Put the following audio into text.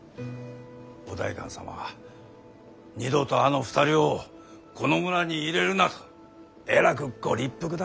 お代官様は二度とあの２人をこの村に入れるなとえらくご立腹だ。